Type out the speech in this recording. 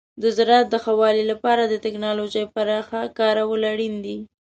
د زراعت د ښه والي لپاره د تکنالوژۍ پراخ کارول اړین دي.